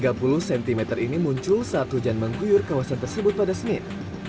tiga puluh cm ini muncul saat hujan mengguyur kawasan tersebut pada senin